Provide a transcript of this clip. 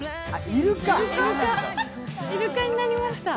いるかになりました。